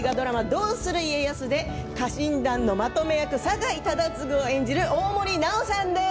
「どうする家康」で家臣団のまとめ役酒井忠次を演じる大森南朋さんです。